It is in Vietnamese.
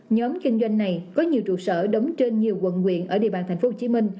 nhóm kinh doanh này có nhiều trụ sở đóng trên nhiều quận nguyện ở địa bàn tp hcm